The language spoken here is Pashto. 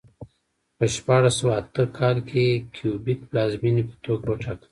په شپاړس سوه اته کال کې کیوبک پلازمېنې په توګه وټاکله.